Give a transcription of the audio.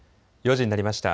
４時になりました。